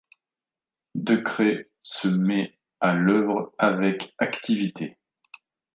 Decrès se met à l'œuvre avec activité.